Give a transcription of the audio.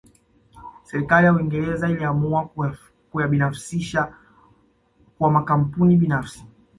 Serikali ya Uingereza iliamua kuyabinafsisha kwa makampuni binafsi